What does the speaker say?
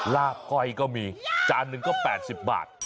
ลาบก้อยก็มีจานหนึ่งก็๘๐บาท